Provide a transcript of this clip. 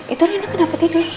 itu riana kenapa tidur